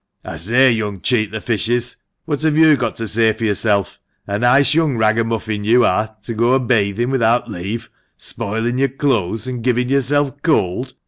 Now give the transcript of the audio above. "I say, young Cheat the fishes, what have you got to say for yourself? A nice young ragamuffin you are, to go a bathing without leave, spoiling your clothes, and giving yourself cold